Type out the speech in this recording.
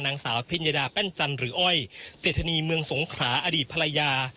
นางสาวพิญญดาแป้นจันทร์หรืออ้อยเศรษฐนีเมืองสงขราอดีตภรรยา